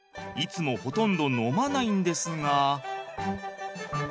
いつもほとんど飲まないんですが。